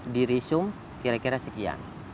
di resume kira kira sekian